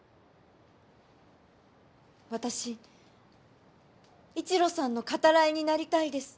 私一路さんのカタライになりたいです。